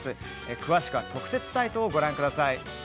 詳しくは特設サイトをご覧ください。